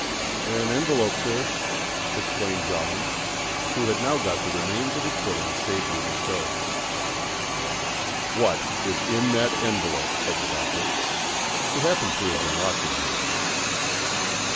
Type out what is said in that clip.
"An envelope, sir," explained Jolland, who had now got the remains of his pudding safely bestowed. "What is in that envelope?" said the Doctor, who happened to have been watching him.